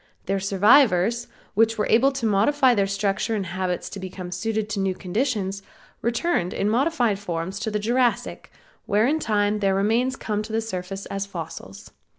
Their survivors, which were able to modify their structure and habits to become suited to new conditions, returned in modified forms in the Jurassic, where in time their remains come to the surface as fossils.